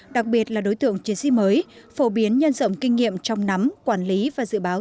đặc biệt là đối tượng chiến sĩ mới phổ biến nhân rộng kinh nghiệm trong nắm quản lý và dự báo